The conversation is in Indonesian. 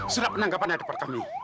sudah penanggapan ada di depan kami